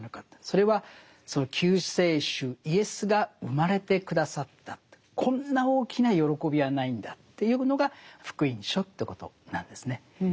それはその救世主イエスが生まれて下さったこんな大きな喜びはないんだというのが「福音書」ということなんですね。